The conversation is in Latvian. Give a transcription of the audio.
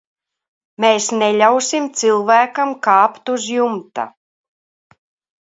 Mēs neļausim cilvēkam kāpt uz jumta.